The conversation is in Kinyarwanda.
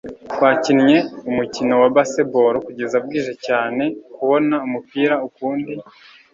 twakinnye umukino wa baseball kugeza bwije cyane kubona umupira ukundi